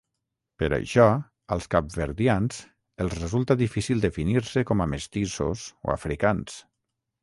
Per això als capverdians els resulta difícil definir-se com a mestissos o africans.